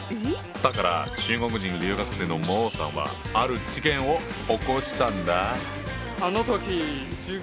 だから中国人留学生の孟さんはある事件を起こしたんだ。